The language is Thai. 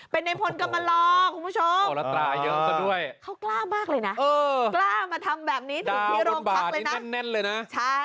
เป็นในผลกำลอดคุณผู้ชมกล้ามากเลยนะมาทำแบบนี้ที่โรงพักเลยนะ